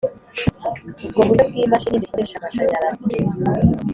ubwo buryo bw imashini zikoresha amashanyarazi